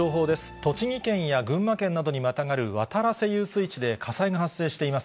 栃木県や群馬県などにまたがる渡良瀬遊水地で火災が発生しています。